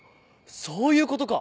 そういうことか！